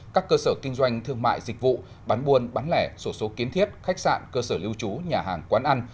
các cơ sở kinh doanh thương mại dịch vụ bán buôn bán lẻ sổ số kiến thiết khách sạn cơ sở lưu trú nhà hàng quán ăn